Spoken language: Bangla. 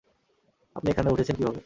আপনি এখানে উঠেছেন কীভাবে?